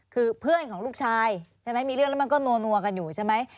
คือเพื่อนของลูกชายใช่ไหมมีเรื่องแล้วมันก็นัวกันอยู่ใช่ไหม